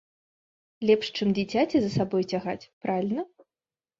Лепш, чым дзіцяці за сабой цягаць, правільна?